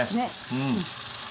うん。